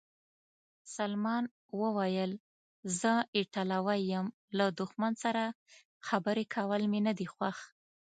سلمان وویل: زه ایټالوی یم، له دښمن سره خبرې کول مې نه دي خوښ.